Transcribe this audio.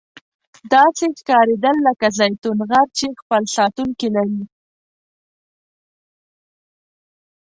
داسې ښکاریدل لکه زیتون غر چې خپل ساتونکي لري.